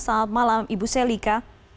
selamat malam ibu selika